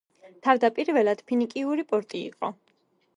თავდაპირველად, ფინიკიური პორტი იყო.